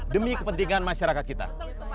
demi kepentingan masyarakat kita